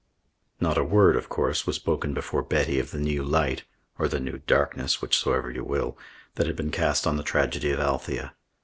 Not a word, of course, was spoken before Betty of the new light, or the new darkness, whichsoever you will, that had been cast on the tragedy of Althea.